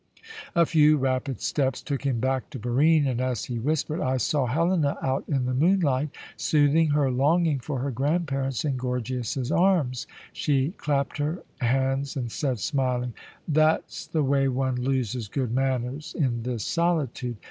A few rapid steps took him back to Barine, and as he whispered, "I saw Helena out in the moonlight, soothing her longing for her grandparents in Gorgias's arms," she clapped her hands and said, smiling: "That's the way one loses good manners in this solitude.